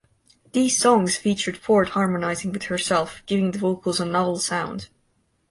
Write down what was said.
These songs featured Ford harmonizing with herself, giving the vocals a novel sound.